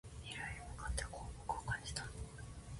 未来へ向かってこう僕は感じたの